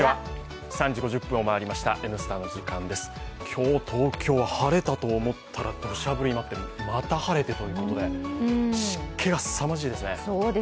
今日、東京は晴れたと思ったらどしゃ降りになって、また晴れてということで湿気がすさまじいですね